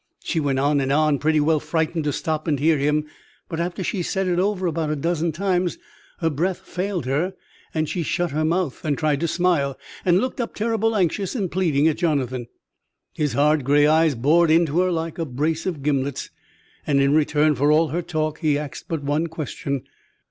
She went on and on, pretty well frightened to stop and hear him. But, after she'd said it over about a dozen times, her breath failed her, and she shut her mouth, and tried to smile, and looked up terrible anxious and pleading at Jonathan. His hard gray eyes bored into her like a brace of gimlets, and in return for all her talk he axed but one question.